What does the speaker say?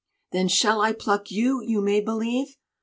Then shall I pluck you, you may believe!"